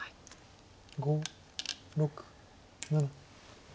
５６７。